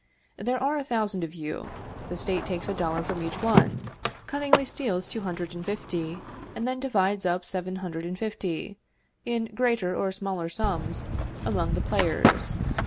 There are a thousand of you; the State takes a dollar from each one, cunningly steals two hundred and fifty, and then divides up seven hundred and fifty, in greater or smaller sums, among the players.